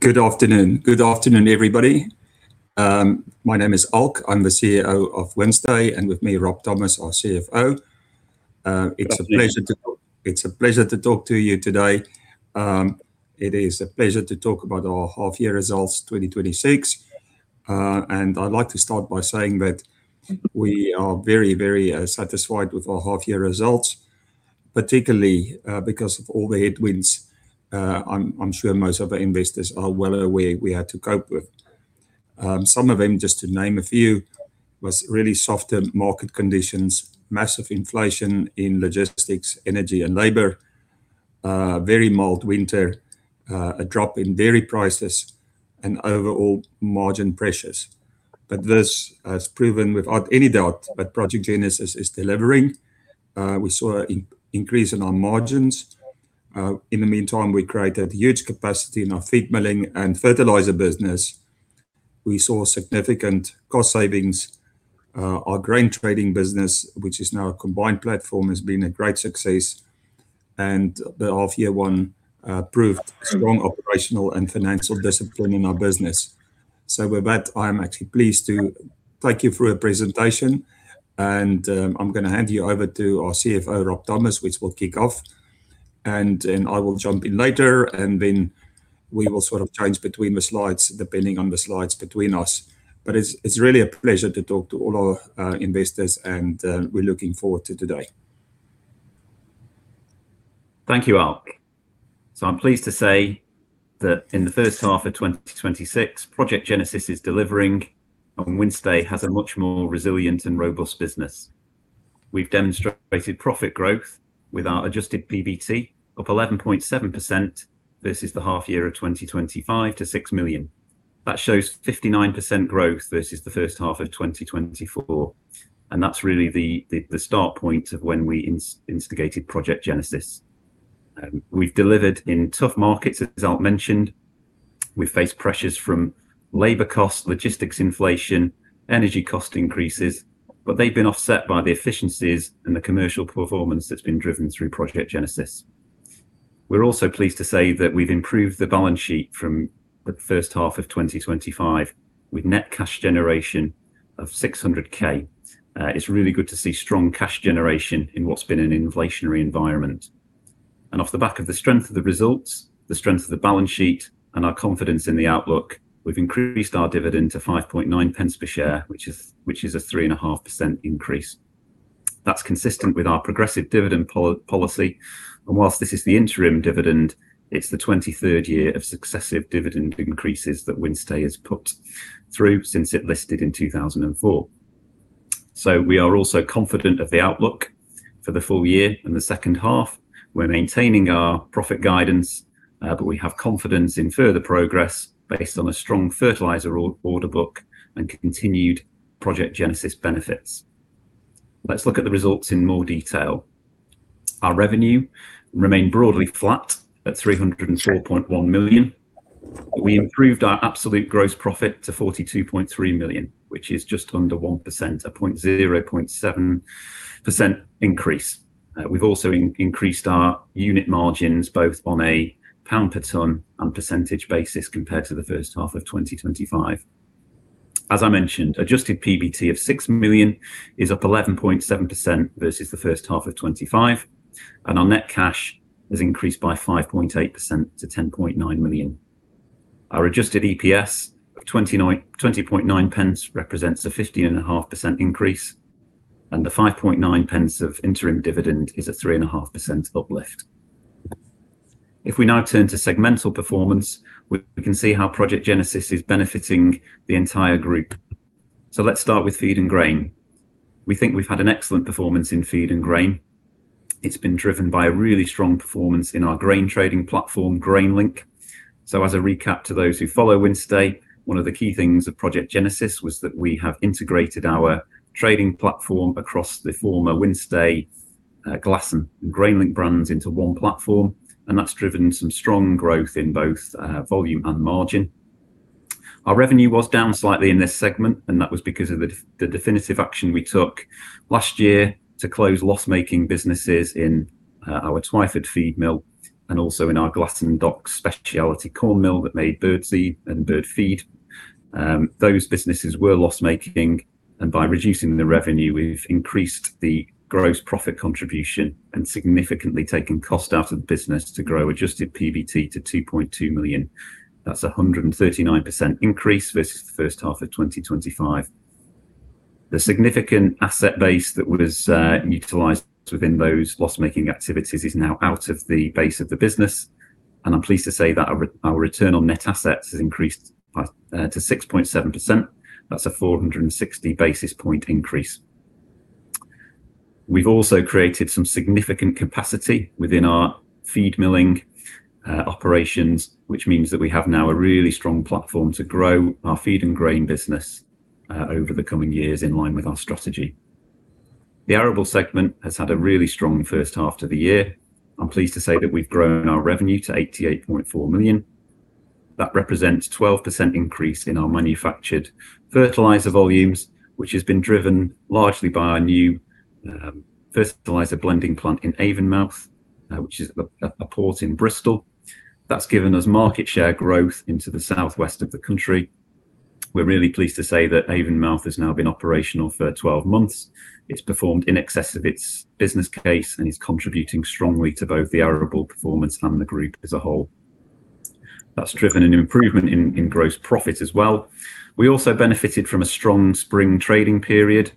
Good afternoon, everybody. My name is Alk. I'm the CEO of Wynnstay, and with me, Rob Thomas, our CFO. It's a pleasure to talk to you today. It is a pleasure to talk about our half year results 2026. I'd like to start by saying that we are very, very satisfied with our half year results, particularly because of all the headwinds I'm sure most other investors are well aware we had to cope with. Some of them, just to name a few, was really softer market conditions, massive inflation in logistics, energy, and labor, very mild winter, a drop in dairy prices, and overall margin pressures. This has proven without any doubt that Project Genesis is delivering. We saw an increase in our margins. In the meantime, we created huge capacity in our feed milling and fertiliser business. We saw significant cost savings. The grain trading business, which is now a combined platform, has been a great success. The half year one proved strong operational and financial discipline in our business. With that, I'm actually pleased to take you through a presentation, and I'm going to hand you over to our CFO, Rob Thomas, which will kick off, and then I will jump in later, and then we will sort of change between the slides depending on the slides between us. It's really a pleasure to talk to all our investors, and we're looking forward to today. Thank you, Alk. I'm pleased to say that in the first half of 2026, Project Genesis is delivering and Wynnstay has a much more resilient and robust business. We've demonstrated profit growth with our adjusted PBT up 11.7% versus the half year of 2025 to 6 million. That shows 59% growth versus the first half of 2024, and that's really the start point of when we instigated Project Genesis. We've delivered in tough markets, as Alk mentioned. We faced pressures from labor costs, logistics inflation, energy cost increases, but they've been offset by the efficiencies and the commercial performance that's been driven through Project Genesis. We're also pleased to say that we've improved the balance sheet from the first half of 2025 with net cash generation of 600,000. It's really good to see strong cash generation in what's been an inflationary environment. Off the back of the strength of the results, the strength of the balance sheet, and our confidence in the outlook, we've increased our dividend to 0.059 per share, which is a 3.5% increase. That's consistent with our progressive dividend policy, and whilst this is the interim dividend, it's the 23rd year of successive dividend increases that Wynnstay has put through since it listed in 2004. We are also confident of the outlook for the full year and the second half. We're maintaining our profit guidance, but we have confidence in further progress based on a strong fertiliser order book and continued Project Genesis benefits. Let's look at the results in more detail. Our revenue remained broadly flat at 304.1 million. We improved our absolute gross profit to 42.3 million, which is just under 1%, a 0.7% increase. We've also increased our unit margins both on a pound per ton and percentage basis compared to the first half of 2025. As I mentioned, adjusted PBT of 6 million is up 11.7% versus the first half of 2025, and our net cash has increased by 5.8% to 10.9 million. Our adjusted EPS of 0.209 represents a 15.5% increase, and the 0.059 of interim dividend is a 3.5% uplift. If we now turn to segmental performance, we can see how Project Genesis is benefiting the entire group. Let's start with feed and grain. We think we've had an excellent performance in feed and grain. It's been driven by a really strong performance in our grain trading platform, GrainLink. As a recap to those who follow Wynnstay, one of the key things of Project Genesis was that we have integrated our trading platform across the former Wynnstay, Glasson, GrainLink brands into one platform, and that's driven some strong growth in both volume and margin. Our revenue was down slightly in this segment, and that was because of the definitive action we took last year to close loss-making businesses in our Twyford feed mill and also in our Glasson Dock speciality corn mill that made bird seed and bird feed. Those businesses were loss-making, and by reducing the revenue, we've increased the gross profit contribution and significantly taken cost out of the business to grow adjusted PBT to 2.2 million. That's 139% increase versus the first half of 2025. The significant asset base that was utilized within those loss-making activities is now out of the base of the business, and I'm pleased to say that our return on net assets has increased to 6.7%. That's a 460 basis point increase. We've also created some significant capacity within our feed milling operations, which means that we have now a really strong platform to grow our feed and grain business over the coming years in line with our strategy. The arable segment has had a really strong first half to the year. I'm pleased to say that we've grown our revenue to 88.4 million. That represents 12% increase in our manufactured fertiliser volumes, which has been driven largely by our new fertiliser blending plant in Avonmouth, which is a port in Bristol. That's given us market share growth into the southwest of the country. We're really pleased to say that Avonmouth has now been operational for 12 months. It's performed in excess of its business case and is contributing strongly to both the arable performance and the group as a whole. That's driven an improvement in gross profit as well. We also benefited from a strong spring trading period.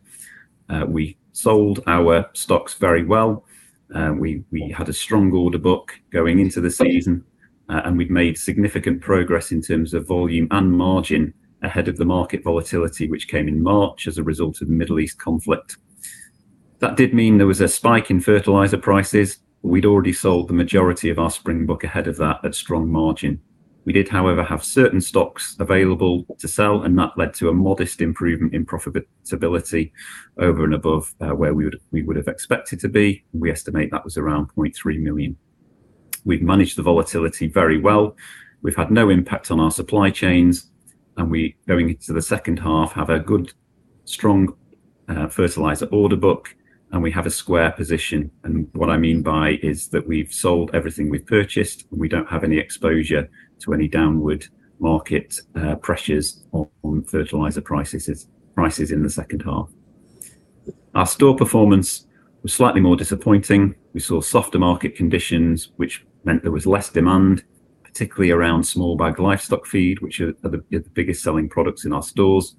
We sold our stocks very well. We had a strong order book going into the season, and we'd made significant progress in terms of volume and margin ahead of the market volatility, which came in March as a result of the Middle East conflict. That did mean there was a spike in fertiliser prices. We'd already sold the majority of our spring book ahead of that at strong margin. We did, however, have certain stocks available to sell, and that led to a modest improvement in profitability over and above where we would have expected to be. We estimate that was around 0.3 million. We have managed the volatility very well. We have had no impact on our supply chains, and we, going into the second half, have a good, strong fertiliser order book, and we have a square position. And what I mean by is that we have sold everything we have purchased, and we do not have any exposure to any downward market pressures on fertiliser prices in the second half. Our store performance was slightly more disappointing. We saw softer market conditions, which meant there was less demand, particularly around small bag livestock feed, which are the biggest selling products in our stores.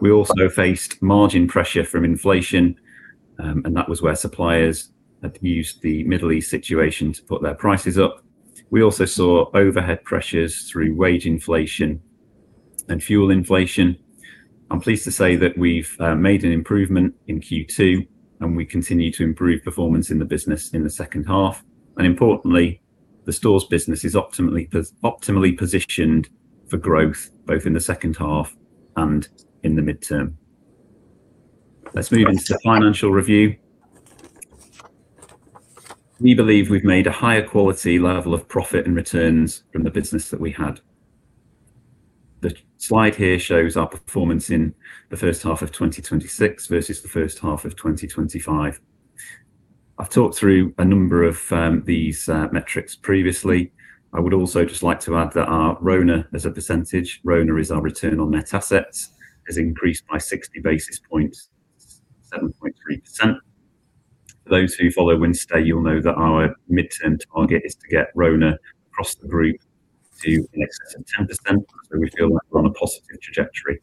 We also faced margin pressure from inflation, and that was where suppliers had used the Middle East situation to put their prices up. We also saw overhead pressures through wage inflation and fuel inflation. I am pleased to say that we have made an improvement in Q2, and we continue to improve performance in the business in the second half. Importantly, the stores business is optimally positioned for growth both in the second half and in the midterm. Let us move into the financial review. We believe we have made a higher quality level of profit and returns from the business that we had. The slide here shows our performance in the first half of 2026 versus the first half of 2025. I have talked through a number of these metrics previously. I would also just like to add that our RONA as a percentage, RONA is our return on net assets, has increased by 60 basis points, 7.3%. Those who follow Wynnstay, you will know that our midterm target is to get RONA across the group to in excess of 10%, so we feel that we are on a positive trajectory.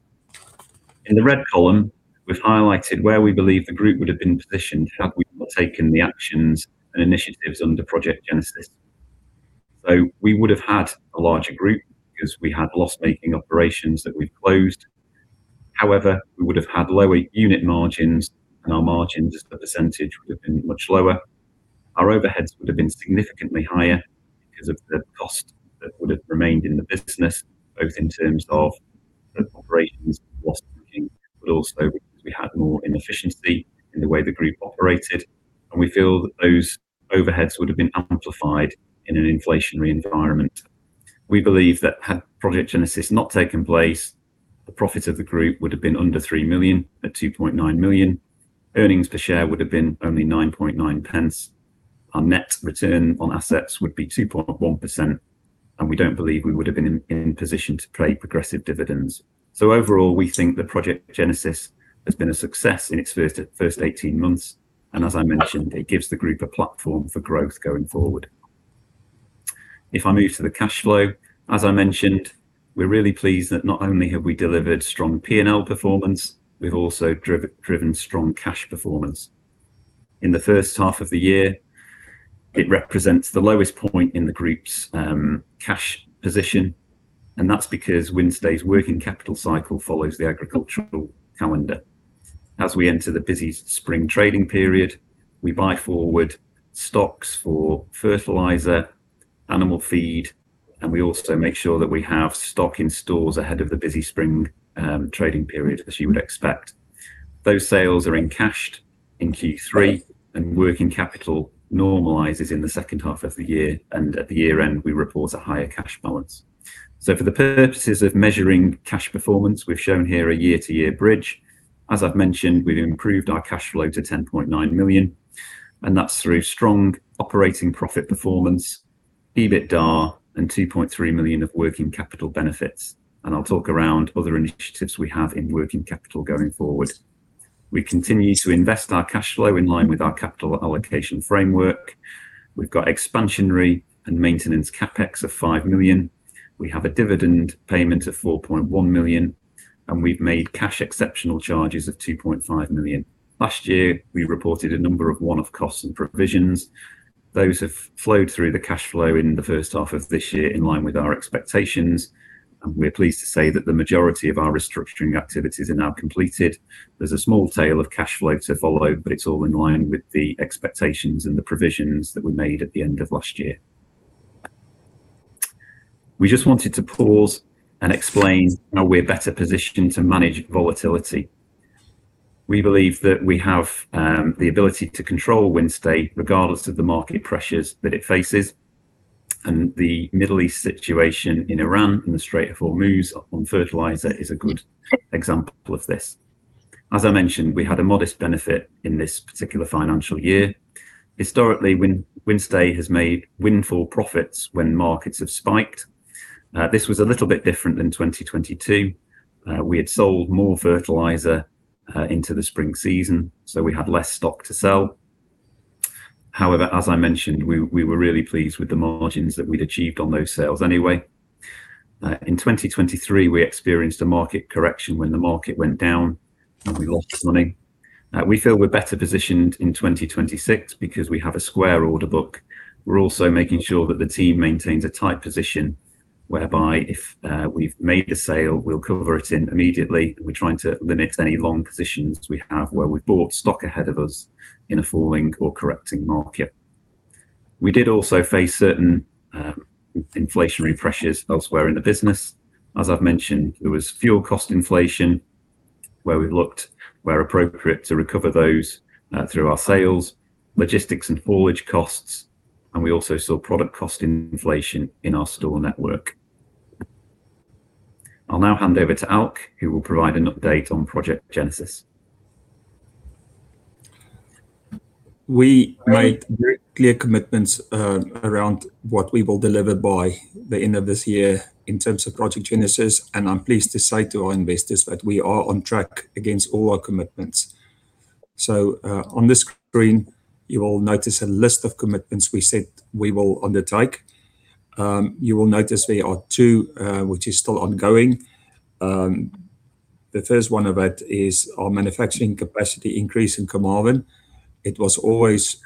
We have highlighted where we believe the group would have been positioned had we not taken the actions and initiatives under Project Genesis. We would have had a larger group because we had loss-making operations that we had closed. However, we would have had lower unit margins, and our margin as a percentage would have been much lower. Our overheads would have been significantly higher because of the cost that would have remained in the business, both in terms of the operations loss making, but also because we had more inefficiency in the way the group operated, and we feel that those overheads would have been amplified in an inflationary environment. We believe that had Project Genesis not taken place, the profit of the group would have been under 3 million at 2.9 million. Earnings per share would have been only 0.099. Our net return on assets would be 2.1%, and we do not believe we would have been in position to pay progressive dividends. Overall, we think that Project Genesis has been a success in its first 18 months, and as I mentioned, it gives the group a platform for growth going forward. If I move to the cash flow, as I mentioned, we're really pleased that not only have we delivered strong P&L performance, we've also driven strong cash performance. In the first half of the year, it represents the lowest point in the group's cash position, and that's because Wynnstay's working capital cycle follows the agricultural calendar. As we enter the busy spring trading period, we buy forward stocks for fertiliser, animal feed, and we also make sure that we have stock in stores ahead of the busy spring trading period, as you would expect. Those sales are in cashed in Q3, and working capital normalizes in the second half of the year, and at the year-end, we report a higher cash balance. For the purposes of measuring cash performance, we've shown here a year-to-year bridge. As I've mentioned, we've improved our cash flow to 10.9 million, and that's through strong operating profit performance, EBITDA, and 2.3 million of working capital benefits. I'll talk around other initiatives we have in working capital going forward. We continue to invest our cash flow in line with our capital allocation framework. We've got expansionary and maintenance CapEx of 5 million. We have a dividend payment of 4.1 million, and we've made cash exceptional charges of 2.5 million. Last year, we reported a number of one-off costs and provisions. Those have flowed through the cash flow in the first half of this year in line with our expectations, and we're pleased to say that the majority of our restructuring activities are now completed. There's a small tail of cash flow to follow, it's all in line with the expectations and the provisions that we made at the end of last year. We just wanted to pause and explain how we're better positioned to manage volatility. We believe that we have the ability to control Wynnstay regardless of the market pressures that it faces, and the Middle East situation in Iran and the Strait of Hormuz on fertiliser is a good example of this. As I mentioned, we had a modest benefit in this particular financial year. Historically, Wynnstay has made windfall profits when markets have spiked. This was a little bit different than 2022. We had sold more fertiliser into the spring season, so we had less stock to sell. However, as I mentioned, we were really pleased with the margins that we'd achieved on those sales anyway. In 2023, we experienced a market correction when the market went down, and we lost money. We feel we're better positioned in 2026 because we have a square order book. We're also making sure that the team maintains a tight position, whereby if we've made a sale, we'll cover it in immediately. We're trying to limit any long positions we have, where we've bought stock ahead of us in a falling or correcting market. We did also face certain inflationary pressures elsewhere in the business. As I've mentioned, there was fuel cost inflation, where we looked where appropriate to recover those through our sales, logistics, and haulage costs, and we also saw product cost inflation in our store network. I'll now hand over to Alk, who will provide an update on Project Genesis. We made very clear commitments around what we will deliver by the end of this year in terms of Project Genesis, and I'm pleased to say to our investors that we are on track against all our commitments. On this screen, you will notice a list of commitments we said we will undertake. You will notice there are two which is still ongoing. The first one of that is our manufacturing capacity increase in Carmarthen. It was always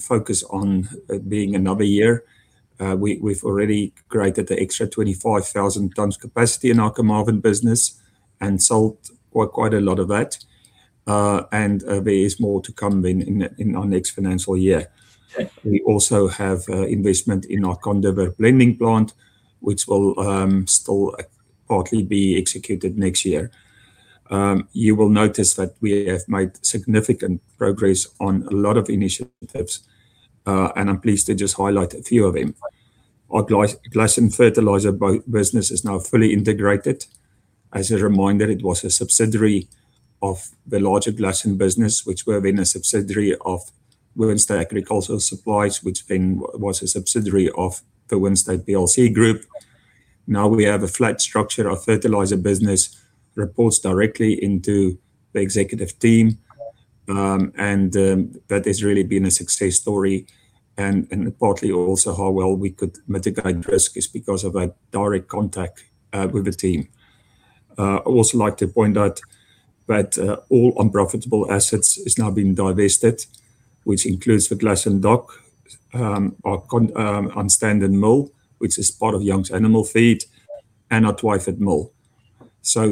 focused on being another year. We've already created the extra 25,000 tons capacity in our Carmarthen business and sold quite a lot of that. There is more to come in our next financial year. We also have investment in our Conder Green blending plant, which will still partly be executed next year. You will notice that we have made significant progress on a lot of initiatives, and I'm pleased to just highlight a few of them. Our Glasson Fertilisers business is now fully integrated. As a reminder, it was a subsidiary of the larger Glasson, which were then a subsidiary of Wynnstay Agricultural Supplies, which then was a subsidiary of the Wynnstay Group Plc. Now we have a flat structure. Our fertiliser business reports directly into the executive team, and that has really been a success story and partly also how well we could mitigate risk is because of that direct contact with the team. I also like to point out that all unprofitable assets is now being divested, which includes the Glasson Dock, our which is part of Youngs Animal Feeds, and our Twyford Mill.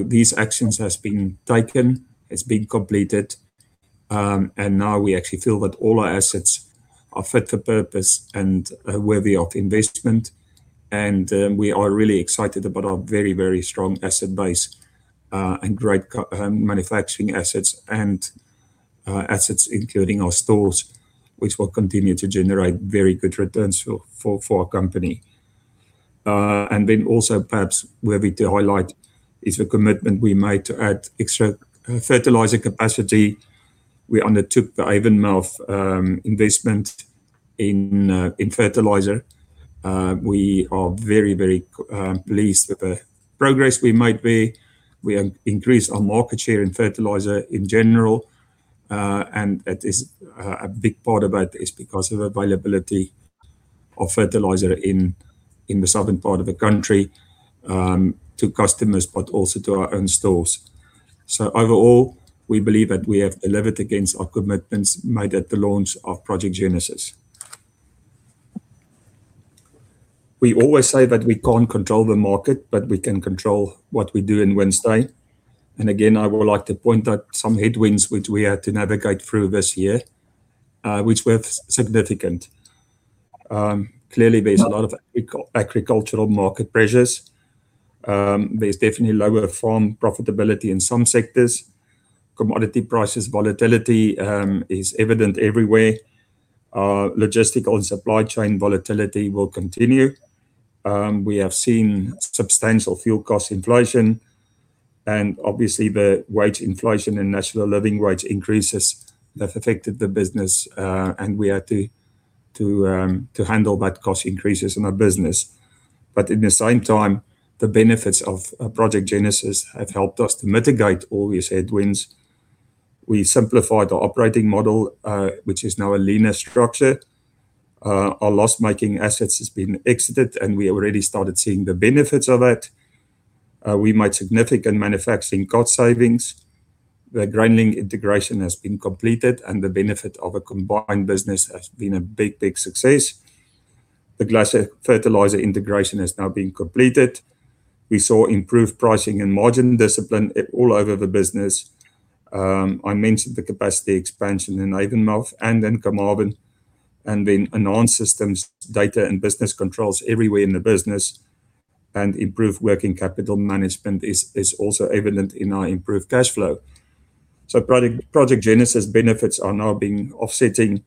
These actions has been taken, has been completed, and now we actually feel that all our assets are fit for purpose and worthy of investment, and we are really excited about our very, very strong asset base, and great manufacturing assets and assets including our stores, which will continue to generate very good returns for our company. Then also perhaps worthy to highlight is the commitment we made to add extra fertiliser capacity. We undertook the Avonmouth investment in fertiliser. We are very, very pleased with the progress we made there. We have increased our market share in fertiliser in general, and that is a big part about this because of availability of fertiliser in the southern part of the country, to customers, but also to our own stores. Overall, we believe that we have delivered against our commitments made at the launch of Project Genesis. We always say that we can't control the market, but we can control what we do in Wynnstay. Again, I would like to point out some headwinds which we had to navigate through this year, which were significant. Clearly, there is a lot of agricultural market pressures. There's definitely lower farm profitability in some sectors. Commodity prices volatility is evident everywhere. Logistical and supply chain volatility will continue. We have seen substantial fuel cost inflation, and obviously the wage inflation and national living wage increases that affected the business, and we had to handle that cost increases in our business. At the same time, the benefits of Project Genesis have helped us to mitigate all these headwinds. We simplified our operating model, which is now a leaner structure. Our loss-making assets has been exited, and we already started seeing the benefits of that. We made significant manufacturing cost savings. The GrainLink integration has been completed, and the benefit of a combined business has been a big, big success. The Glasson Fertilisers integration has now been completed. We saw improved pricing and margin discipline all over the business. I mentioned the capacity expansion in Avonmouth and in Carmarthen, and then enhanced systems, data, and business controls everywhere in the business, and improved working capital management is also evident in our improved cash flow. Project Genesis benefits are now offsetting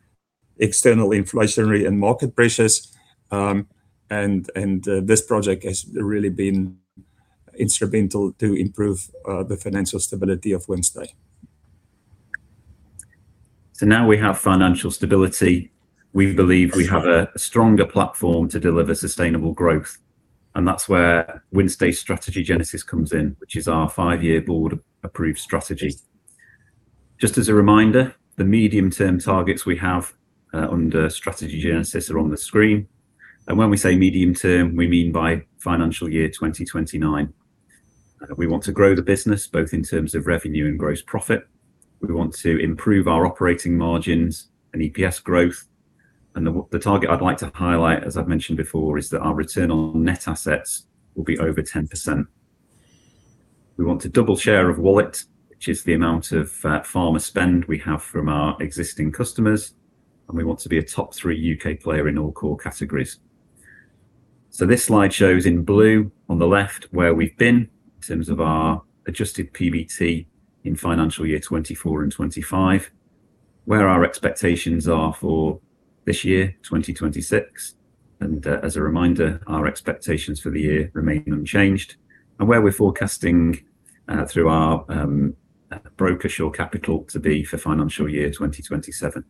external inflationary and market pressures, and this project has really been instrumental to improve the financial stability of Wynnstay. Now we have financial stability. We believe we have a stronger platform to deliver sustainable growth, and that's where Wynnstay's Strategy Genesis comes in, which is our five-year board-approved strategy. Just as a reminder, the medium-term targets we have under Strategy Genesis are on the screen. When we say medium-term, we mean by financial year 2029. We want to grow the business both in terms of revenue and gross profit. We want to improve our operating margins and EPS growth. The target I'd like to highlight, as I've mentioned before, is that our return on net assets will be over 10%. We want to double share of wallet, which is the amount of farmer spend we have from our existing customers, and we want to be a top-three U.K. player in all core categories. This slide shows in blue, on the left, where we've been in terms of our adjusted PBT in financial year 2024 and 2025, where our expectations are for this year, 2026, as a reminder, our expectations for the year remain unchanged, where we're forecasting through our broker Shore Capital to be for financial year 2027.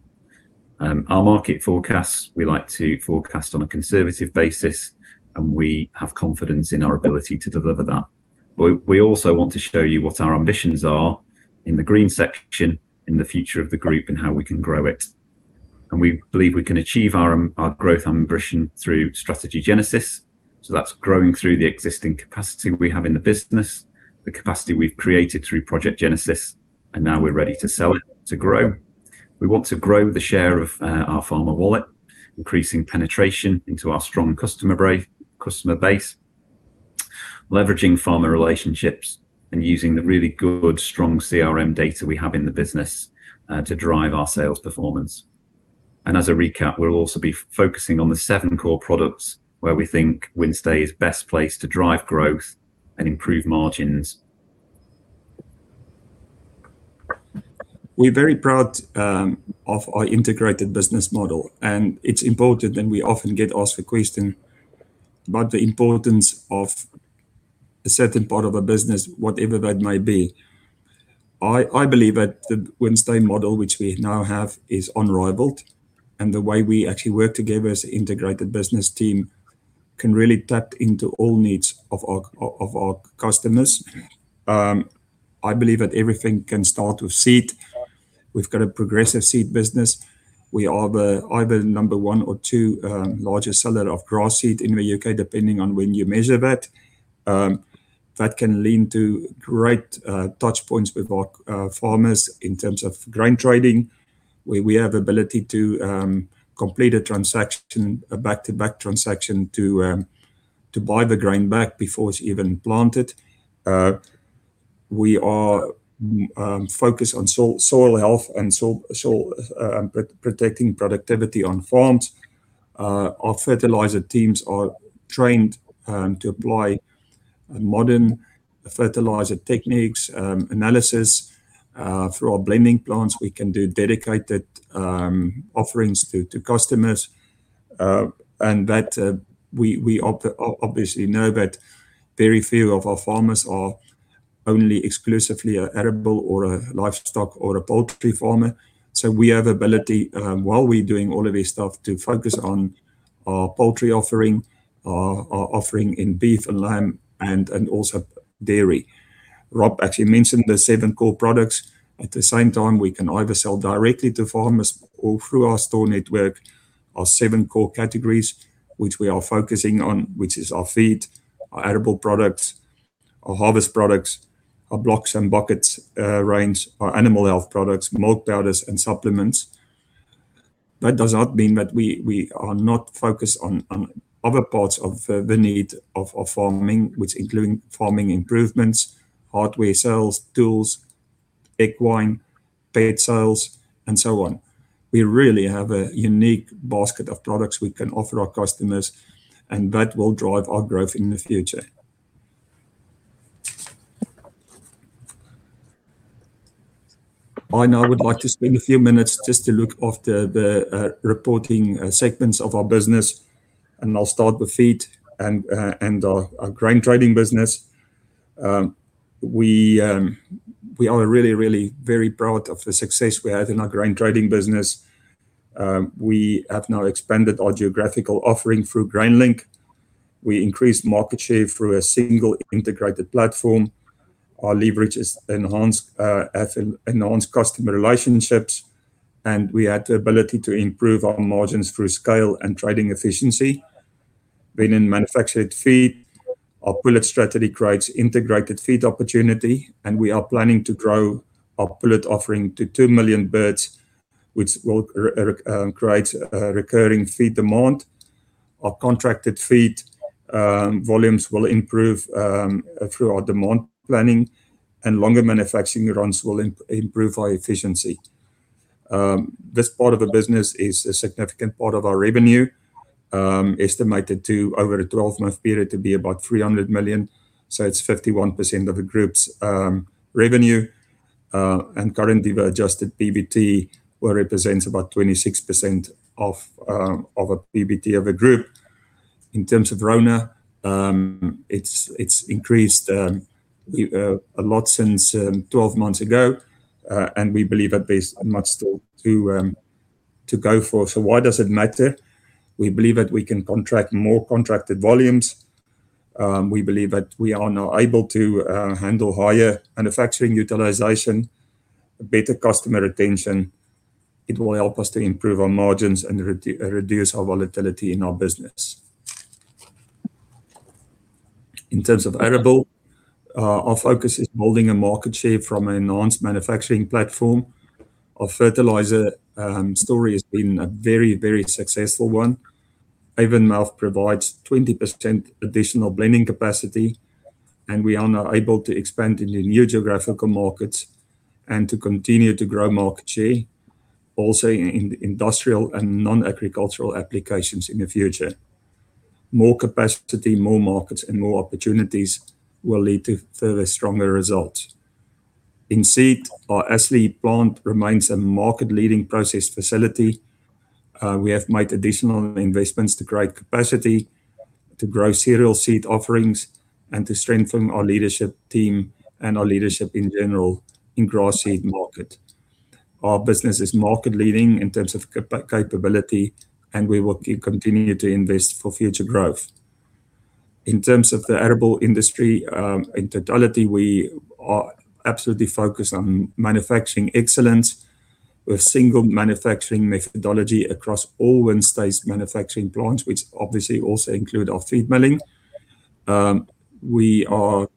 Our market forecasts, we like to forecast on a conservative basis, and we have confidence in our ability to deliver that. We also want to show you what our ambitions are in the green section in the future of the group and how we can grow it. We believe we can achieve our growth ambition through Strategy Genesis, that's growing through the existing capacity we have in the business, the capacity we've created through Project Genesis, and now we're ready to sell it to grow. We want to grow the share of our farmer wallet, increasing penetration into our strong customer base, leveraging farmer relationships, and using the really good, strong CRM data we have in the business to drive our sales performance. As a recap, we'll also be focusing on the seven core products where we think Wynnstay is best placed to drive growth and improve margins. We're very proud of our integrated business model. It's important, and we often get asked the question about the importance of a certain part of a business, whatever that may be. I believe that the Wynnstay model which we now have is unrivaled, and the way we actually work together as an integrated business team can really tap into all needs of our customers. I believe that everything can start with seed. We've got a progressive seed business. We are either number one or two largest seller of grass seed in the U.K., depending on when you measure that. That can lead to great touchpoints with our farmers in terms of grain trading, where we have ability to complete a back-to-back transaction to buy the grain back before it's even planted. We are focused on soil health and protecting productivity on farms. Our fertiliser teams are trained to apply modern fertiliser techniques, analysis. Through our blending plants, we can do dedicated offerings to customers. We obviously know that very few of our farmers are only exclusively an arable or a livestock or a poultry farmer. We have ability, while we're doing all of this stuff, to focus on our poultry offering, our offering in beef and lamb, and also dairy. Rob actually mentioned the seven core products. At the same time, we can either sell directly to farmers or through our store network, our seven core categories, which we are focusing on, which is our feed, our arable products, our harvest products, our blocks and buckets range, our animal health products, milk powders, and supplements. That does not mean that we are not focused on other parts of the need of farming, which include farming improvements, hardware sales, tools, equine, pet sales, and so on. We really have a unique basket of products we can offer our customers. That will drive our growth in the future. I now would like to spend a few minutes just to look after the reporting segments of our business. I'll start with feed and our grain trading business. We are really very proud of the success we had in our grain trading business. We have now expanded our geographical offering through GrainLink. We increased market share through a single integrated platform. Our leverage has enhanced customer relationships, and we had the ability to improve our margins through scale and trading efficiency. In manufactured feed, our pullet strategy creates integrated feed opportunity. We are planning to grow our pullet offering to 2 million birds, which will create recurring feed demand. Our contracted feed volumes will improve through our demand planning, and longer manufacturing runs will improve our efficiency. This part of the business is a significant part of our revenue estimated to over a 12-month period to be about 300 million. It's 51% of the group's revenue. Currently, the adjusted PBT represents about 26% of a PBT of a group. In terms of RONA, it's increased a lot since 12 months ago. We believe that there's much still to go for. Why does it matter? We believe that we can contract more contracted volumes. We believe that we are now able to handle higher manufacturing utilization, better customer retention. It will help us to improve our margins and reduce our volatility in our business. In terms of arable, our focus is building a market share from an enhanced manufacturing platform. Our fertiliser story has been a very successful one. Avonmouth provides 20% additional blending capacity, and we are now able to expand into new geographical markets and to continue to grow market share, also in industrial and non-agricultural applications in the future. More capacity, more markets, and more opportunities will lead to further stronger results. In seed, our Astley plant remains a market-leading process facility. We have made additional investments to create capacity, to grow cereal seed offerings, and to strengthen our leadership team and our leadership in general in grass seed market. Our business is market leading in terms of capability, and we will keep continuing to invest for future growth. In terms of the arable industry, in totality, we are absolutely focused on manufacturing excellence with single manufacturing methodology across all Wynnstay's manufacturing plants, which obviously also include our feed milling. We are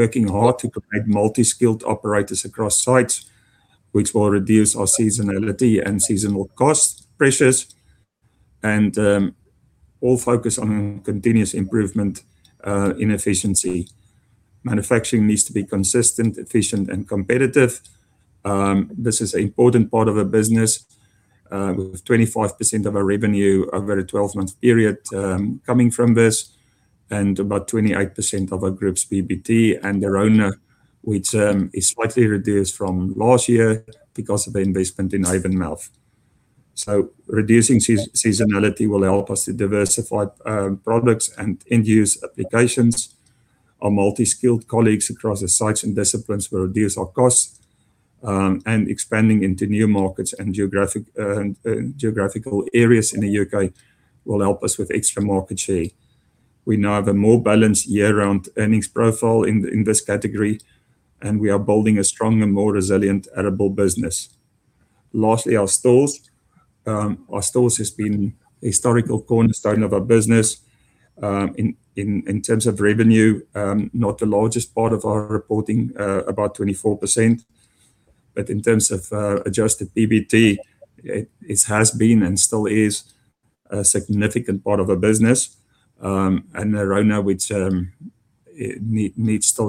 working hard to create multi-skilled operators across sites, which will reduce our seasonality and seasonal cost pressures, and all focus on continuous improvement in efficiency. Manufacturing needs to be consistent, efficient, and competitive. This is an important part of our business. With 25% of our revenue over a 12-month period coming from this, and about 28% of our group's PBT and RONA, which is slightly reduced from last year because of the investment in Avonmouth. Reducing seasonality will help us to diversify products and end-use applications. Our multi-skilled colleagues across the sites and disciplines will reduce our costs, and expanding into new markets and geographical areas in the U.K. will help us with extra market share. We now have a more balanced year-round earnings profile in this category, and we are building a stronger, more resilient arable business. Lastly, our stores. Our stores has been historical cornerstone of our business. In terms of revenue, not the largest part of our reporting, about 24%. In terms of adjusted PBT, it has been and still is a significant part of our business. RONA, which still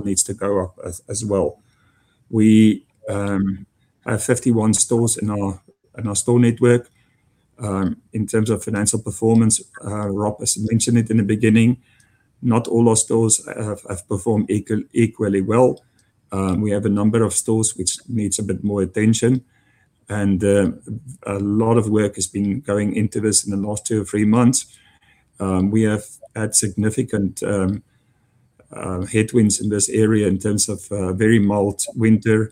needs to go up as well. We have 51 stores in our store network. In terms of financial performance, Rob has mentioned it in the beginning, not all our stores have performed equally well. We have a number of stores which needs a bit more attention, and a lot of work has been going into this in the last two or three months. We have had significant headwinds in this area in terms of very mild winter,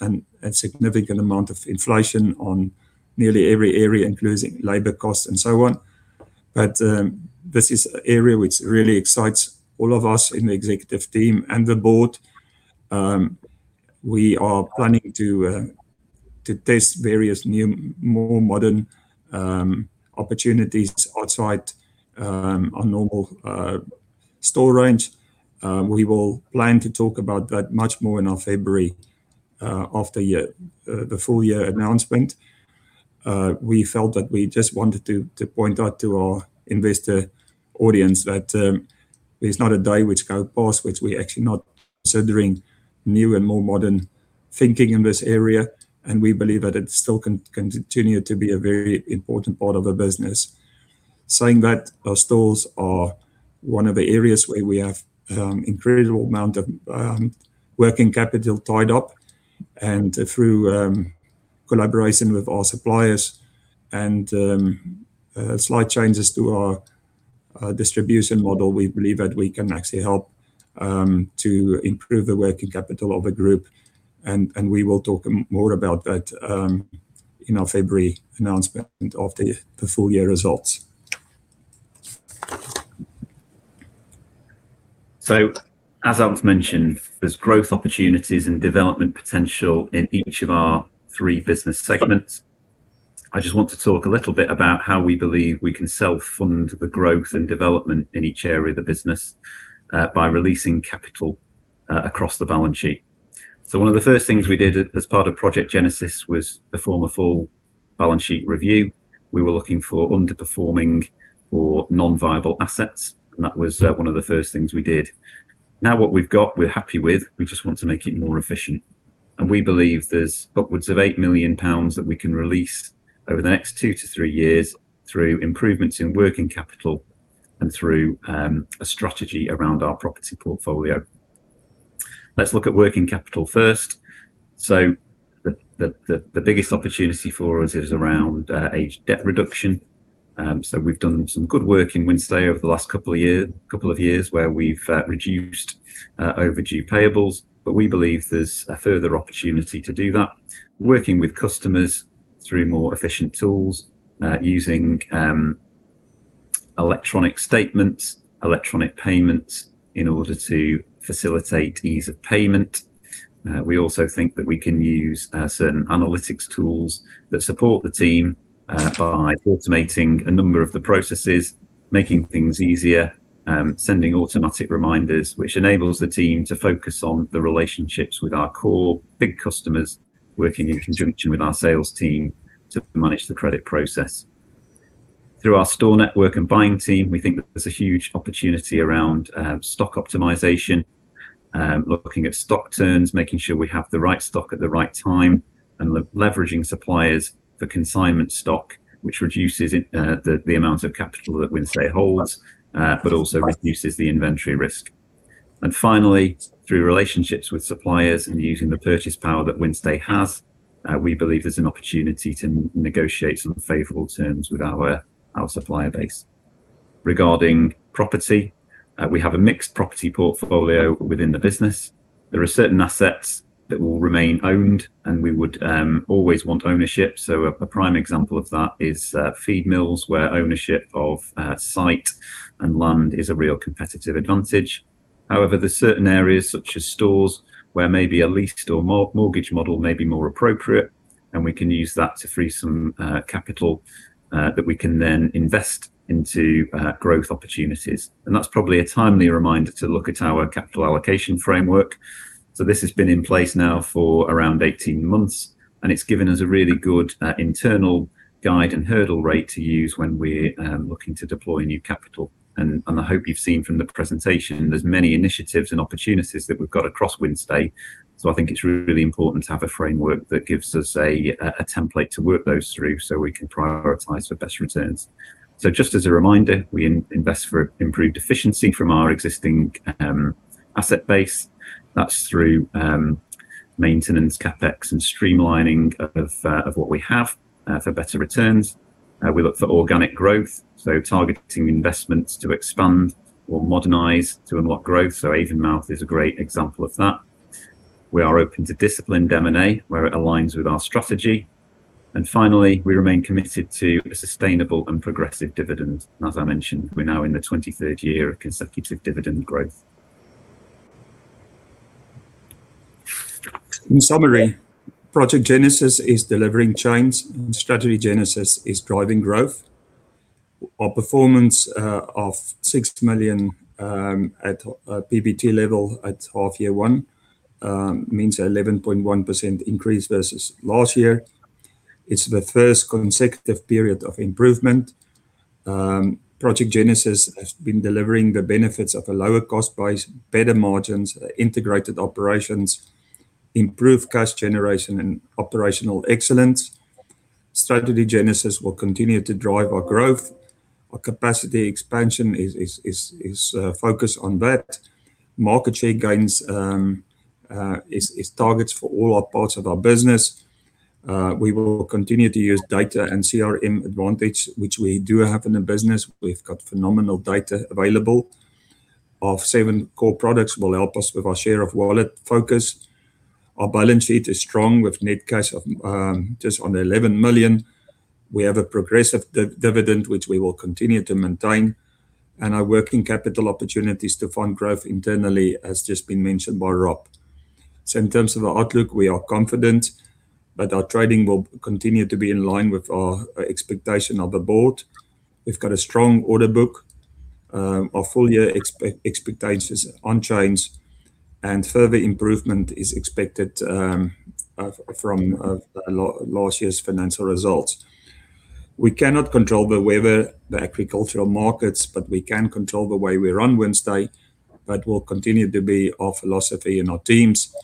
and a significant amount of inflation on nearly every area, including labor cost and so on. This is an area which really excites all of us in the executive team and the board. We are planning to test various new, more modern opportunities outside our normal store range. We will plan to talk about that much more in our February of the full year announcement. We felt that we just wanted to point out to our investor audience that there's not a day which go past which we're actually not considering new and more modern thinking in this area, and we believe that it still can continue to be a very important part of our business. Saying that, our stores are one of the areas where we have incredible amount of working capital tied up. Through collaboration with our suppliers and slight changes to our distribution model, we believe that we can actually help to improve the working capital of the group, and we will talk more about that in our February announcement of the full-year results. As Alk mentioned, there's growth opportunities and development potential in each of our three business segments. I just want to talk a little bit about how we believe we can self-fund the growth and development in each area of the business by releasing capital across the balance sheet. One of the first things we did as part of Project Genesis was perform a full balance sheet review. We were looking for underperforming or non-viable assets, and that was one of the first things we did. Now what we've got, we're happy with. We just want to make it more efficient. We believe there's upwards of 8 million pounds that we can release over the next two to three years through improvements in working capital and through a strategy around our property portfolio. Let's look at working capital first. The biggest opportunity for us is around aged debt reduction. We've done some good work in Wynnstay over the last couple of years where we've reduced overdue payables, but we believe there's a further opportunity to do that, working with customers through more efficient tools, using electronic statements, electronic payments in order to facilitate ease of payment. We also think that we can use certain analytics tools that support the team by automating a number of the processes, making things easier, sending automatic reminders, which enables the team to focus on the relationships with our core big customers, working in conjunction with our sales team to manage the credit process. Through our store network and buying team, we think that there's a huge opportunity around stock optimization, looking at stock turns, making sure we have the right stock at the right time and leveraging suppliers for consignment stock, which reduces the amount of capital that Wynnstay holds, but also reduces the inventory risk. Finally, through relationships with suppliers and using the purchase power that Wynnstay has, we believe there's an opportunity to negotiate some favorable terms with our supplier base. Regarding property, we have a mixed property portfolio within the business. There are certain assets that will remain owned and we would always want ownership. A prime example of that is feed mills where ownership of site and land is a real competitive advantage. There's certain areas such as stores where maybe a leased or mortgage model may be more appropriate, and we can use that to free some capital that we can then invest into growth opportunities. That's probably a timely reminder to look at our capital allocation framework. This has been in place now for around 18 months, and it's given us a really good internal guide and hurdle rate to use when we're looking to deploy new capital. I hope you've seen from the presentation, there's many initiatives and opportunities that we've got across Wynnstay. I think it's really important to have a framework that gives us a template to work those through so we can prioritize for best returns. Just as a reminder, we invest for improved efficiency from our existing asset base. That's through maintenance, CapEx, and streamlining of what we have for better returns. We look for organic growth, so targeting investments to expand or modernize to unlock growth. Avonmouth is a great example of that. We are open to disciplined M&A where it aligns with our strategy. Finally, we remain committed to a sustainable and progressive dividend. As I mentioned, we're now in the 23rd year of consecutive dividend growth. In summary, Project Genesis is delivering change and Strategy Genesis is driving growth. Our performance of 6 million at PBT level at half year one means 11.1% increase versus last year. It's the first consecutive period of improvement. Project Genesis has been delivering the benefits of a lower cost base, better margins, integrated operations, improved cash generation and operational excellence. Strategy Genesis will continue to drive our growth. Our capacity expansion is focused on that. Market share gains is targets for all our parts of our business. We will continue to use data and CRM advantage, which we do have in the business. We've got phenomenal data available of seven core products will help us with our share of wallet focus. Our balance sheet is strong with net cash of just under 11 million. We have a progressive dividend, which we will continue to maintain, and our working capital opportunities to fund growth internally has just been mentioned by Rob. In terms of the outlook, we are confident that our trading will continue to be in line with our expectation of the board. We've got a strong order book. Our full year expectations are unchanged and further improvement is expected from last year's financial results. We cannot control the weather, the agricultural markets, but we can control the way we run Wynnstay, that will continue to be our philosophy in our teams.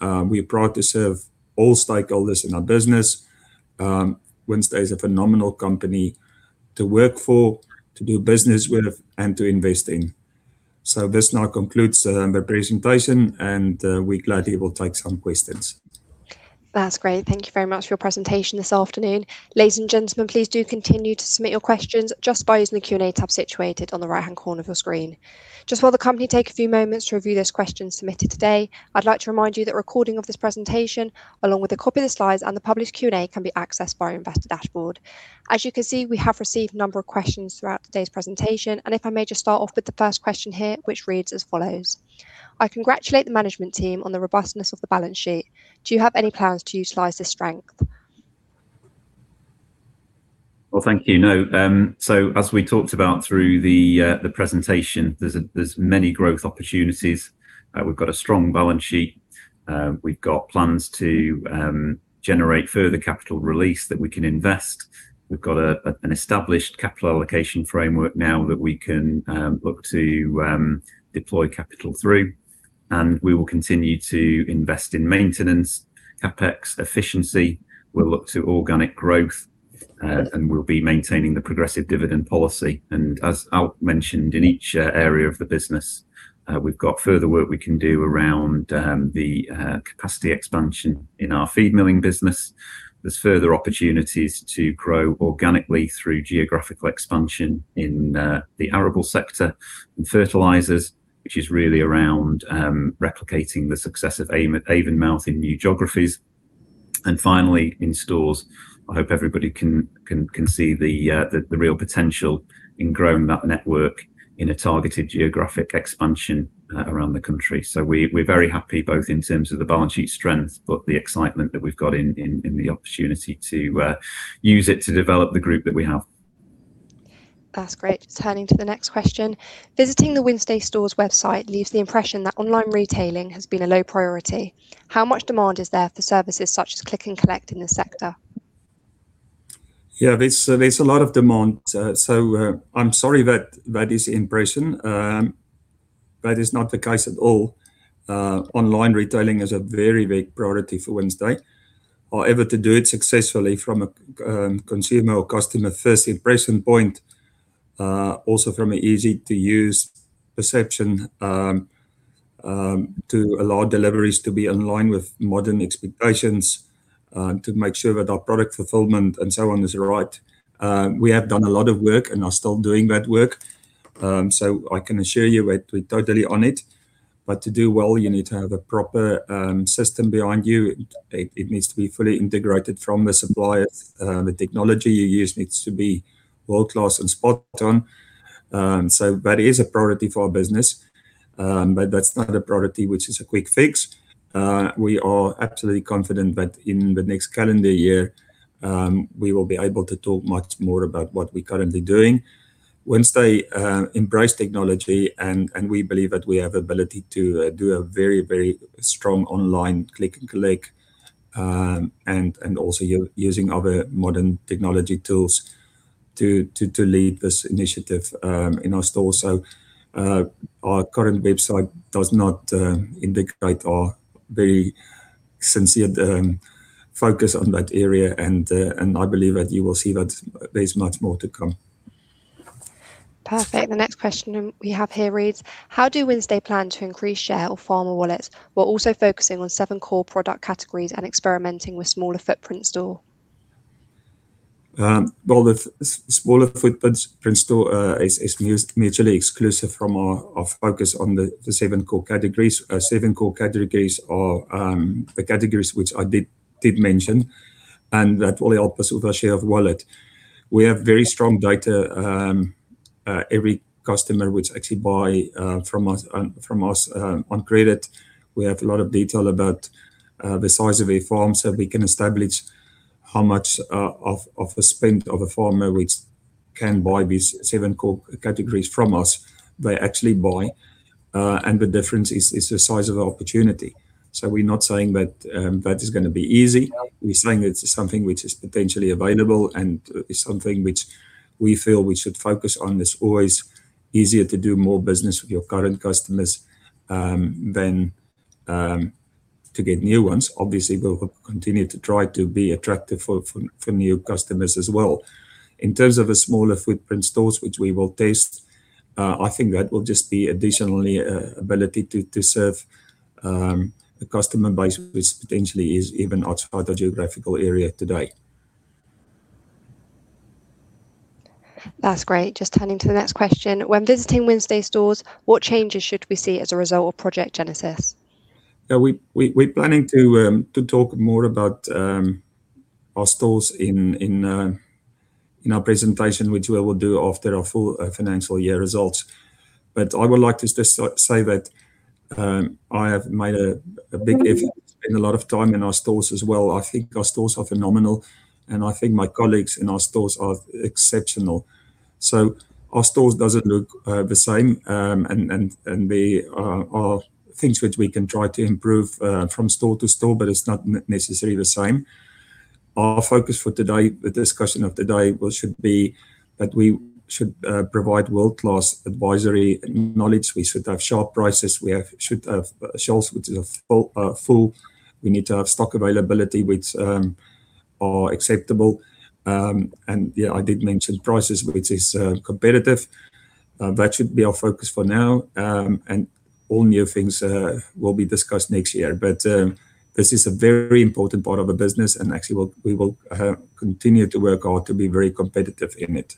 We are proud to serve all stakeholders in our business. Wynnstay is a phenomenal company to work for, to do business with and to invest in. This now concludes the presentation and we gladly will take some questions. That's great. Thank you very much for your presentation this afternoon. Ladies and gentlemen, please do continue to submit your questions just by using the Q&A tab situated on the right-hand corner of your screen. Just while the company take a few moments to review those questions submitted today, I'd like to remind you that recording of this presentation, along with a copy of the slides and the published Q&A, can be accessed by our investor dashboard. As you can see, we have received a number of questions throughout today's presentation, and if I may just start off with the first question here, which reads as follows. "I congratulate the management team on the robustness of the balance sheet. Do you have any plans to utilize this strength? Well, thank you. No. As we talked about through the presentation, there's many growth opportunities. We've got a strong balance sheet. We've got plans to generate further capital release that we can invest. We've got an established capital allocation framework now that we can look to deploy capital through. We will continue to invest in maintenance, CapEx efficiency. We'll look to organic growth, and we'll be maintaining the progressive dividend policy. As Alk mentioned, in each area of the business, we've got further work we can do around the capacity expansion in our feed milling business. There's further opportunities to grow organically through geographical expansion in the arable sector and fertilisers, which is really around replicating the success of Avonmouth in new geographies. Finally, in stores, I hope everybody can see the real potential in growing that network in a targeted geographic expansion around the country. We're very happy both in terms of the balance sheet strength, but the excitement that we've got in the opportunity to use it to develop the group that we have. That's great. Turning to the next question. Visiting the Wynnstay Stores website leaves the impression that online retailing has been a low priority. How much demand is there for services such as click and collect in this sector? Yeah, there's a lot of demand. I'm sorry that is the impression. That is not the case at all. Online retailing is a very big priority for Wynnstay. However, to do it successfully from a consumer or customer first impression point, also from an easy-to-use perception, to allow deliveries to be in line with modern expectations, to make sure that our product fulfillment and so on is right. We have done a lot of work and are still doing that work. I can assure you that we're totally on it. To do well, you need to have a proper system behind you. It needs to be fully integrated from the suppliers. The technology you use needs to be world-class and spot on. That is a priority for our business. That's not a priority which is a quick fix. We are absolutely confident that in the next calendar year, we will be able to talk much more about what we're currently doing. Wynnstay embrace technology, and we believe that we have ability to do a very strong online click-and-collect, and also using other modern technology tools to lead this initiative in our stores. Our current website does not indicate our very sincere focus on that area. I believe that you will see that there's much more to come. Perfect. The next question we have here reads, how do Wynnstay plan to increase share of farmer wallets while also focusing on seven core product categories and experimenting with smaller-footprint store? Well, the smaller-footprint store is mutually exclusive from our focus on the seven core categories. Seven core categories are the categories which I did mention, and that will help us with our share of wallet. We have very strong data. Every customer which actually buy from us on credit, we have a lot of detail about the size of a farm. We can establish how much of a spend of a farmer which can buy these seven core categories from us, they actually buy. The difference is the size of opportunity. We're not saying that is going to be easy. We're saying it's something which is potentially available and is something which we feel we should focus on. It's always easier to do more business with your current customers than to get new ones. We'll continue to try to be attractive for new customers as well. In terms of a smaller footprint stores which we will test, I think that will just be additionally ability to serve a customer base which potentially is even outside our geographical area today. That's great. Just turning to the next question. When visiting Wynnstay Stores, what changes should we see as a result of Project Genesis? We're planning to talk more about our stores in our presentation, which we will do after our full financial year results. I would like to just say that I have made a big effort to spend a lot of time in our stores as well. I think our stores are phenomenal, and I think my colleagues in our stores are exceptional. Our stores doesn't look the same. There are things which we can try to improve from store to store, but it's not necessarily the same. Our focus for today, the discussion of today should be that we should provide world-class advisory knowledge. We should have sharp prices. We should have shelves which are full. We need to have stock availability which are acceptable. I did mention prices which is competitive. That should be our focus for now. All new things will be discussed next year. This is a very important part of the business. Actually, we will continue to work hard to be very competitive in it.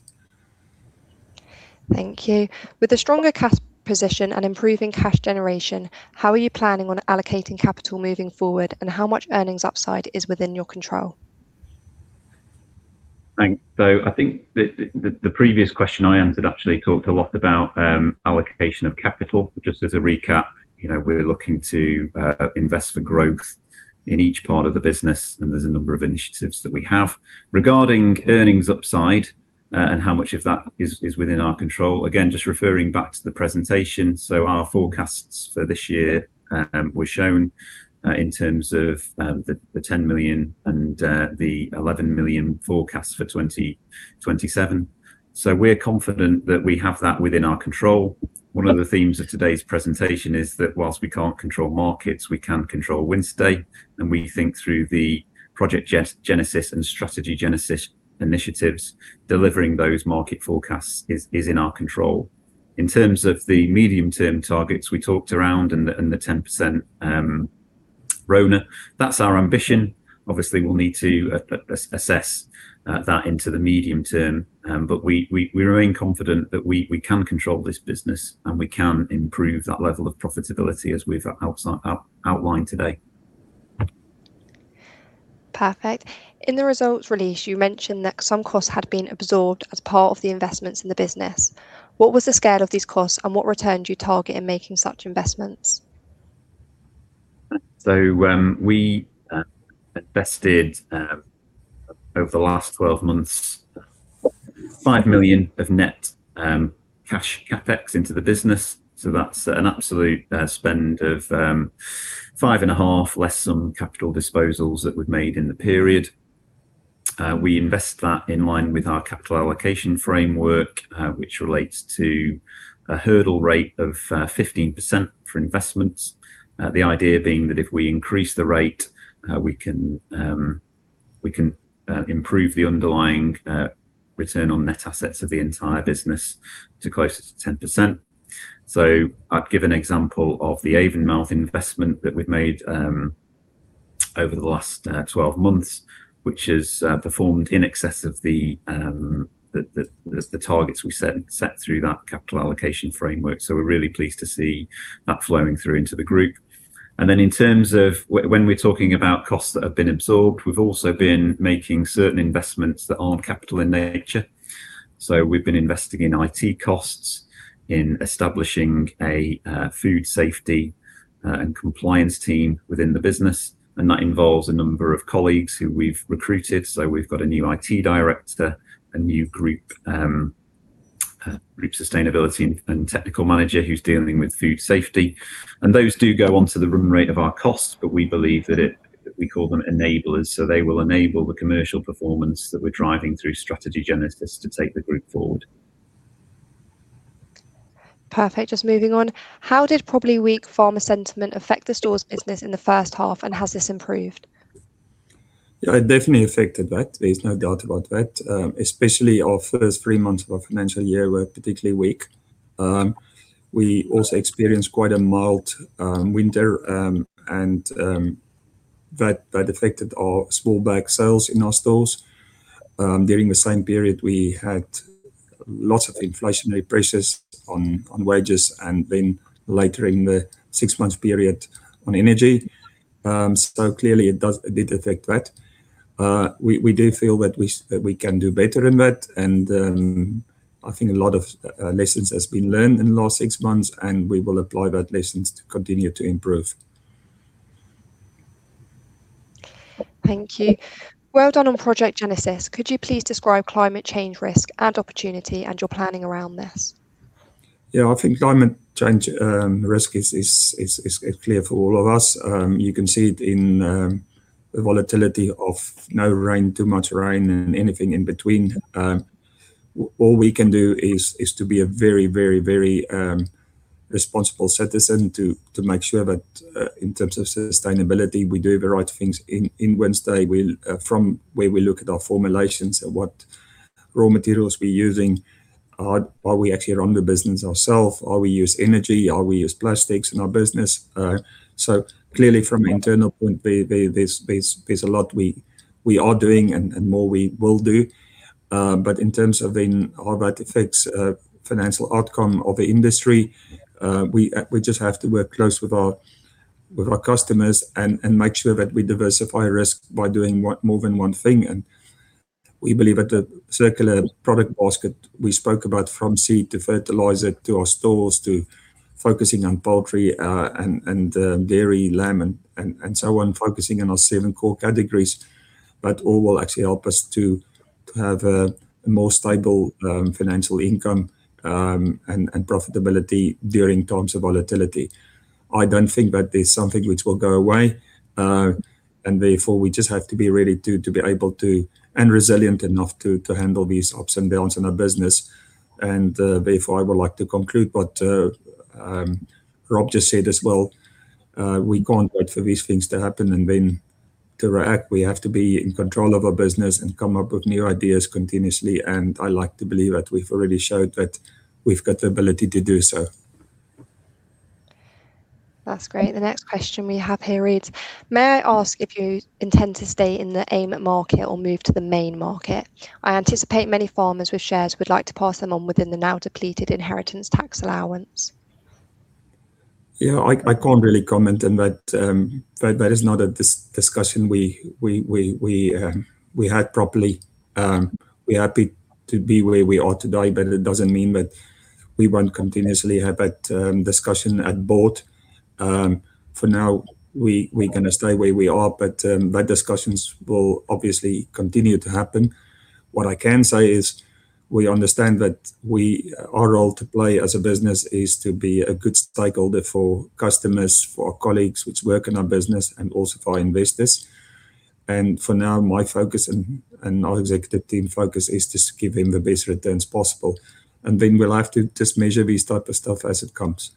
Thank you. With a stronger cash position and improving cash generation, how are you planning on allocating capital moving forward and how much earnings upside is within your control? Thanks. I think the previous question I answered actually talked a lot about allocation of capital. Just as a recap, we're looking to invest for growth in each part of the business, and there's a number of initiatives that we have. Regarding earnings upside and how much of that is within our control. Again, just referring back to the presentation. Our forecasts for this year were shown in terms of the 10 million and the 11 million forecast for 2027. We're confident that we have that within our control. One of the themes of today's presentation is that whilst we can't control markets, we can control Wynnstay, and we think through the Project Genesis and Strategy Genesis initiatives, delivering those market forecasts is in our control. In terms of the medium term targets we talked around and the 10% RONA, that's our ambition. Obviously, we'll need to assess that into the medium term. We remain confident that we can control this business and we can improve that level of profitability as we've outlined today. Perfect. In the results release, you mentioned that some costs had been absorbed as part of the investments in the business. What was the scale of these costs and what return do you target in making such investments? We invested, over the last 12 months, 5 million of net cash CapEx into the business. That's an absolute spend of 5.5 million, less some capital disposals that we've made in the period. We invest that in line with our capital allocation framework, which relates to a hurdle rate of 15% for investments. The idea being that if we increase the rate, we can improve the underlying return on net assets of the entire business to closer to 10%. I'd give an example of the Avonmouth investment that we've made over the last 12 months, which has performed in excess of the targets we set through that capital allocation framework. We're really pleased to see that flowing through into the Group. In terms of when we're talking about costs that have been absorbed, we've also been making certain investments that aren't capital in nature. We've been investing in IT costs, in establishing a food safety and compliance team within the business, and that involves a number of colleagues who we've recruited. We've got a new IT director, a new Group sustainability and technical manager who's dealing with food safety. Those do go onto the run rate of our costs, but we believe that we call them enablers, they will enable the commercial performance that we're driving through Strategy Genesis to take the Group forward. Perfect. Just moving on. How did probably weak farmer sentiment affect the Stores business in the first half, and has this improved? Yeah, it definitely affected that. There's no doubt about that. Especially our first three months of our financial year were particularly weak. We also experienced quite a mild winter, and that affected our small bag sales in our Stores. During the same period, we had lots of inflationary pressures on wages and then later in the six months period on energy. Clearly it did affect that. We do feel that we can do better in that, and I think a lot of lessons has been learned in the last six months, and we will apply that lessons to continue to improve. Thank you. Well done on Project Genesis. Could you please describe climate change risk and opportunity and your planning around this? Yeah, I think climate change risk is clear for all of us. You can see it in the volatility of no rain, too much rain, and anything in between. All we can do is to be a very responsible citizen to make sure that, in terms of sustainability, we do the right things in Wynnstay from where we look at our formulations and what raw materials we're using. Are we actually run the business ourself? Are we use energy? Are we use plastics in our business? Clearly from internal point, there's a lot we are doing and more we will do. In terms of then how that affects financial outcome of the industry, we just have to work close with our customers and make sure that we diversify risk by doing more than one thing. We believe at the circular product basket we spoke about from seed to fertiliser to our stores to focusing on poultry and dairy, lamb, and so on, focusing on our seven core categories. That all will actually help us to have a more stable financial income, and profitability during times of volatility. I don't think that is something which will go away. Therefore, we just have to be ready to be able to, and resilient enough to handle these ups and downs in our business. Therefore, I would like to conclude what Rob just said as well. We can't wait for these things to happen and then to react. We have to be in control of our business and come up with new ideas continuously, and I like to believe that we've already showed that we've got the ability to do so. That's great. The next question we have here reads, may I ask if you intend to stay in the AIM market or move to the main market? I anticipate many farmers with shares would like to pass them on within the now depleted inheritance tax allowance. I can't really comment on that. That is not a discussion we had properly. We are happy to be where we are today, but it doesn't mean that we won't continuously have that discussion at board. For now, we are going to stay where we are, but those discussions will obviously continue to happen. What I can say is we understand that our role to play as a business is to be a good stakeholder for customers, for our colleagues which work in our business, and also for our investors. For now, my focus and our executive team focus is just giving the best returns possible. Then we'll have to just measure this type of stuff as it comes.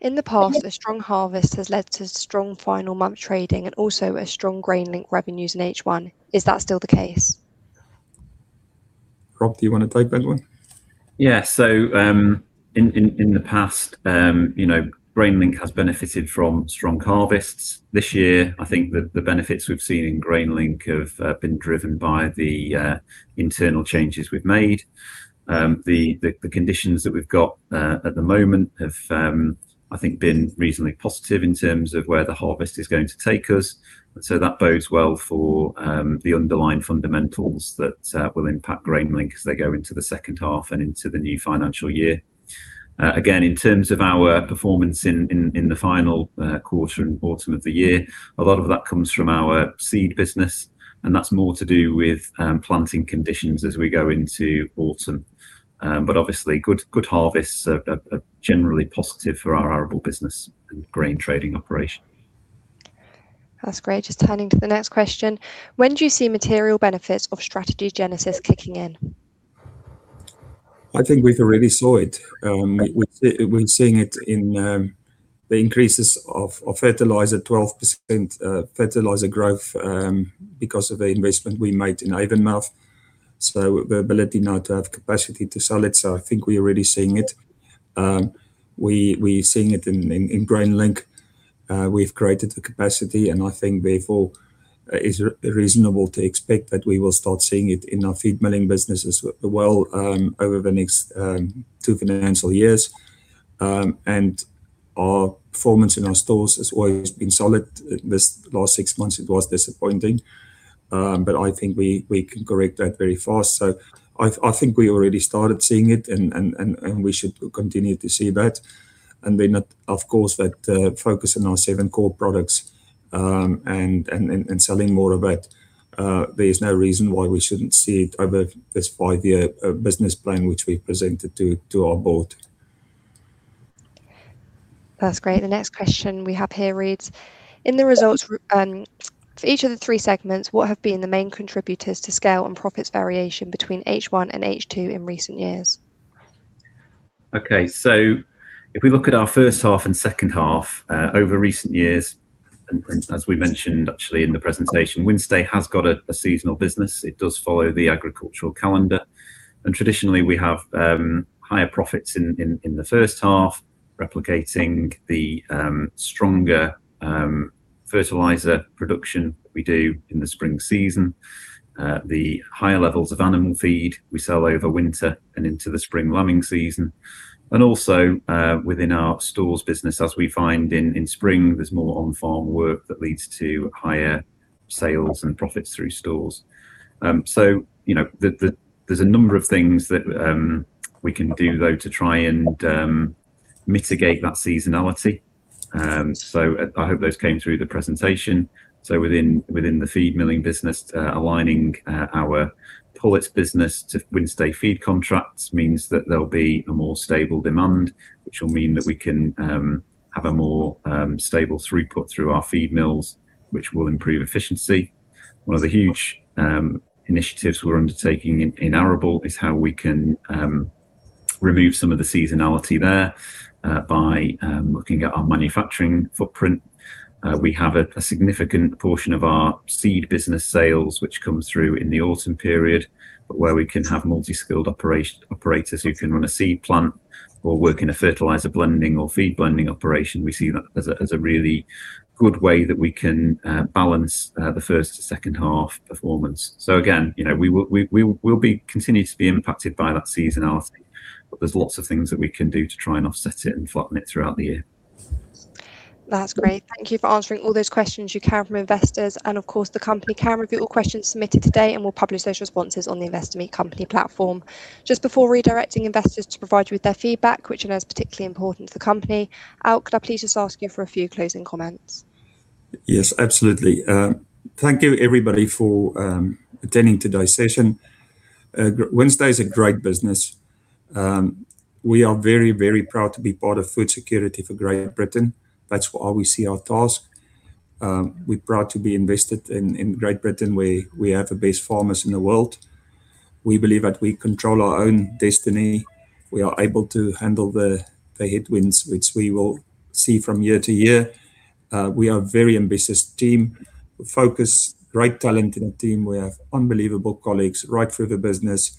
In the past, a strong harvest has led to strong final month trading and also strong GrainLink revenues in H1. Is that still the case? Rob, do you want to take that one? Yes. In the past, GrainLink has benefited from strong harvests. This year, I think that the benefits we've seen in GrainLink have been driven by the internal changes we've made. The conditions that we've got at the moment have, I think, been reasonably positive in terms of where the harvest is going to take us. That bodes well for the underlying fundamentals that will impact GrainLink as they go into the second half and into the new financial year. Again, in terms of our performance in the final quarter, in autumn of the year, a lot of that comes from our seed business, and that's more to do with planting conditions as we go into autumn. Obviously, good harvests are generally positive for our arable business and grain trading operation. That's great. Just turning to the next question. When do you see material benefits of Strategy Genesis kicking in? I think we've already saw it. We're seeing it in the increases of fertiliser, 12% fertiliser growth because of the investment we made in Avonmouth. The ability now to have capacity to sell it. I think we are already seeing it. We're seeing it in GrainLink. We've created the capacity, and I think therefore it's reasonable to expect that we will start seeing it in our feed milling business as well over the next two financial years. Our performance in our stores has always been solid. This last six months, it was disappointing. I think we can correct that very fast. I think we already started seeing it, and we should continue to see that, of course, that focus on our seven core products, and selling more of it. There is no reason why we shouldn't see it over this five-year business plan which we presented to our board. That's great. The next question we have here reads, "In the results for each of the three segments, what have been the main contributors to scale and profits variation between H1 and H2 in recent years? Okay. If we look at our first half and second half, over recent years, and as we mentioned actually in the presentation, Wynnstay has got a seasonal business. It does follow the agricultural calendar. Traditionally, we have higher profits in the first half, replicating the stronger fertiliser production we do in the spring season. The higher levels of animal feed we sell over winter and into the spring lambing season. Also, within our stores business, as we find in spring, there's more on-farm work that leads to higher sales and profits through stores. There's a number of things that we can do though to try and mitigate that seasonality. I hope those came through the presentation. Within the feed milling business, aligning our pullets business to Wynnstay feed contracts means that there'll be a more stable demand, which will mean that we can have a more stable throughput through our feed mills, which will improve efficiency. One of the huge initiatives we're undertaking in arable is how we can remove some of the seasonality there by looking at our manufacturing footprint. We have a significant portion of our seed business sales which comes through in the autumn period. Where we can have multi-skilled operators who can run a seed plant or work in a fertiliser blending or feed blending operation, we see that as a really good way that we can balance the first to second half performance. Again, we will continue to be impacted by that seasonality, but there's lots of things that we can do to try and offset it and flatten it throughout the year. That's great. Thank you for answering all those questions you have from investors and of course, the company can review all questions submitted today, and we'll publish those responses on the InvestorMeetCompany platform. Just before redirecting investors to provide you with their feedback, which I know is particularly important to the company, Alk, could I please just ask you for a few closing comments? Yes, absolutely. Thank you everybody for attending today's session. Wynnstay is a great business. We are very, very proud to be part of food security for Great Britain. That's how we see our task. We're proud to be invested in Great Britain, where we have the best farmers in the world. We believe that we control our own destiny. We are able to handle the headwinds which we will see from year to year. We are very ambitious team, focused, great talent in the team. We have unbelievable colleagues right through the business.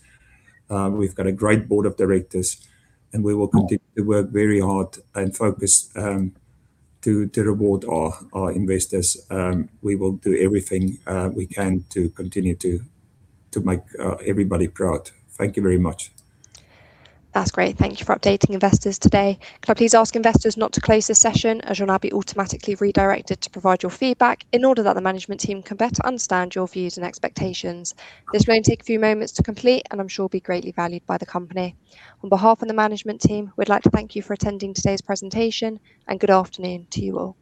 We've got a great board of directors, and we will continue to work very hard and focus to reward our investors. We will do everything we can to continue to make everybody proud. Thank you very much. That's great. Thank you for updating investors today. Could I please ask investors not to close this session, as you'll now be automatically redirected to provide your feedback in order that the management team can better understand your views and expectations. This will only take a few moments to complete and I'm sure will be greatly valued by the company. On behalf of the management team, we'd like to thank you for attending today's presentation, and good afternoon to you all.